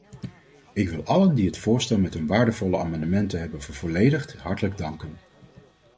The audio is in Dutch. Ik wil allen die het voorstel met hun waardevolle amendementen hebben vervolledigd, hartelijk danken.